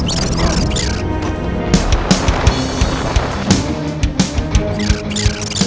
lalu kan abu abu